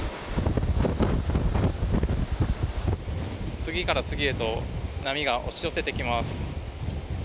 次から次へと波が押し寄せてきます。